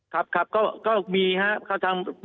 ครับครับก็มีครับ